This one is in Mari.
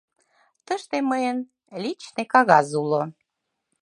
Тыште мыйын личный кагаз уло...